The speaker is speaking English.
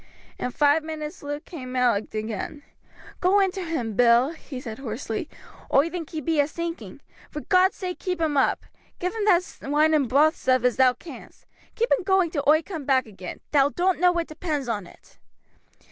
In five minutes Luke came out again. "Go in to him, Bill," he said hoarsely. "Oi think he be a sinking. For God's sake keep him up. Give him that wine and broath stuff as thou canst. Keep him going till oi coom back again; thou doan't know what depends on it."